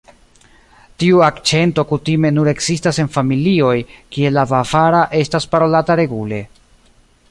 Tiu akĉento kutime nur ekzistas en familioj kie la bavara estas parolata regule.